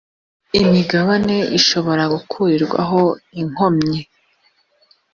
imigabane ishobora gukurirwaho inkomyi